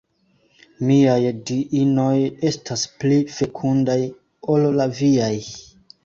Miaj Diinoj estas pli fekundaj ol la viaj.